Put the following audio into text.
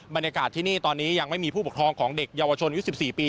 บรรยากาศที่นี่ตอนนี้ยังไม่มีผู้ปกครองของเด็กเยาวชนยุค๑๔ปี